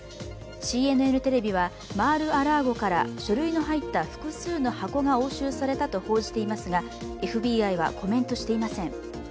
ＣＮＮテレビは、マール・ア・ラーゴから書類の入った複数の箱が押収されたと報じていますが、ＦＢＩはコメントしていません。